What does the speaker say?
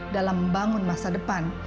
dalam membangun masa depan